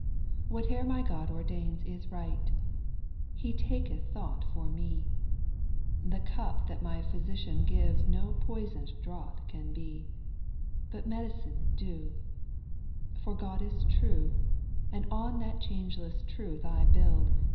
3. Whate'er my God ordains is right I He taketh thought for me ; The cup that my Physician gives No poison'd draught can be, But medicine due ; For God is true, And on that changeless truth I build.